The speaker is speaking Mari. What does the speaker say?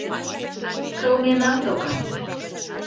— Кылменам докан.